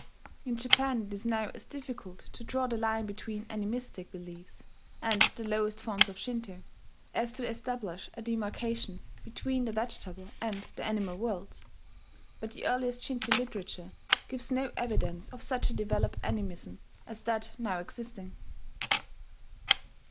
In Japan it is now as difficult to draw the line between animistic beliefs and the lowest forms of Shinto, as to establish a demarcation between the vegetable and the animal worlds; but the earliest Shinto literature gives no evidence of such a developed animism as that now existing.